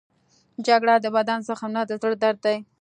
جګړه د بدن زخم نه، د زړه درد دی